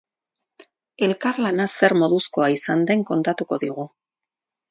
Elkarlana zer moduzkoa izan den kontatuko digu.